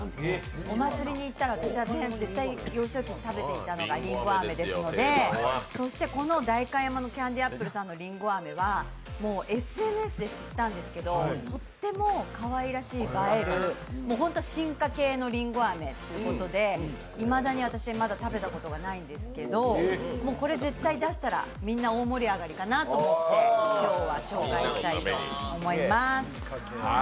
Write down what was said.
お祭りに行ったら、私は絶対幼少期に食べていたのがりんご飴ですので、そしてこの代官山のＣａｎｄｙａｐｐｌｅさんのりんご飴はＳＮＳで知ったんですけどとってもかわいらしい、映える進化系のりんご飴ということでいまだに私は食べたことがないんですけど、絶対出したら大盛り上がりかなと思って、今日は紹介したいなと思います。